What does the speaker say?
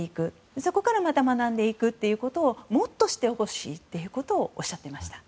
そこからまた学んでいくということをもっとしてほしいとおっしゃっていました。